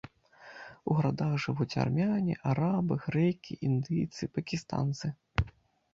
У гарадах жывуць армяне, арабы, грэкі, індыйцы, пакістанцы.